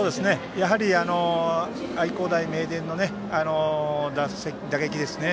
やはり、愛工大名電の打撃ですね。